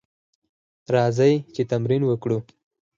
راځئ چې تمرین وکړو: